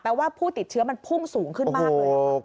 ว่าผู้ติดเชื้อมันพุ่งสูงขึ้นมากเลย